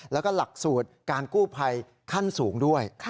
แล้วก็หลักสูตรการกู้ภัยขั้นสูงด้วย